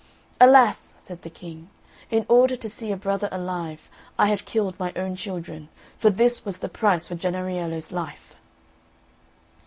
"Alas!" said the King, "in order to see a brother alive, I have killed my own children! for this was the price of Jennariello's life!"